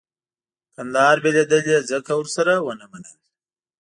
کندهار بېلېدل یې ځکه ورسره ونه منل.